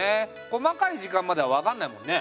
細かい時間までは分かんないもんね。